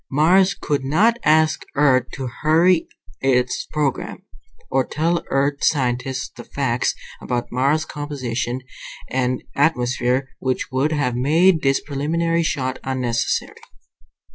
Mars could not ask Earth to hurry its program. Or tell Earth scientists the facts about Mars' composition and atmosphere which would have made this preliminary shot unnecessary.